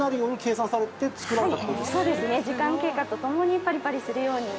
時間経過とともにパリパリするように。